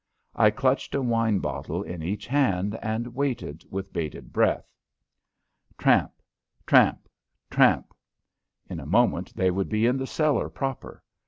I clutched a wine bottle in each hand and waited with bated breath. Tramp! Tramp! Tramp! In a moment they would be in the cellar proper.